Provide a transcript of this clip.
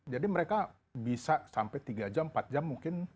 jadi mereka bisa sampai tiga jam empat jam mungkin